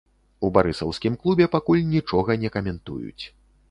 У барысаўскім клубе пакуль нічога не каментуюць.